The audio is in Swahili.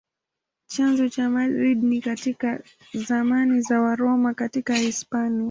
Chanzo cha Madrid ni katika zamani za Waroma katika Hispania.